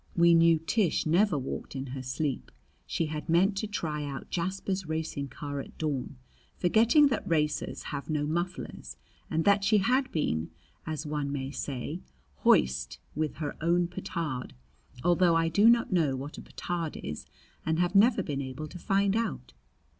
We knew Tish never walked in her sleep. She had meant to try out Jasper's racing car at dawn, forgetting that racers have no mufflers, and she had been, as one may say, hoist with her own petard although I do not know what a petard is and have never been able to find out.